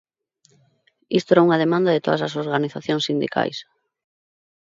Isto era unha demanda de todas as organizacións sindicais.